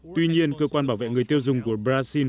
tuy nhiên cơ quan bảo vệ người tiêu dùng của brazil